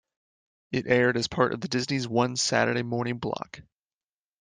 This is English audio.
It aired as part of the Disney's One Saturday Morning block.